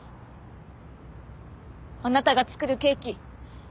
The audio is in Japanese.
あなたが作るケーキ